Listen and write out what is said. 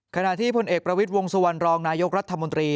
ขณะที่พลเอกประวิทย์วงสุวรรณรองนายกรัฐมนตรี